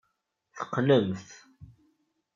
Teqqnemt.